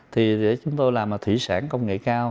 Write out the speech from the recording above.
thì để chúng tôi làm là thủy sản công nghệ cao